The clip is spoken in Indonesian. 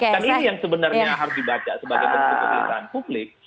dan ini yang sebenarnya harus dibaca sebagai bentuk kegelisahan publik